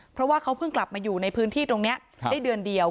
เพราะว่าเขาเพิ่งกลับมาอยู่ในพื้นที่ตรงนี้ได้เดือนเดียว